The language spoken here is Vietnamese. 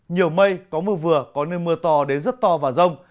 nhiều mây có mưa vừa có nơi mưa to đến rất to và rông